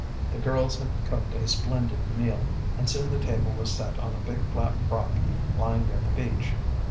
The girls had cooked a splendid meal, and soon the table was set on a big flat rock lying near the beach.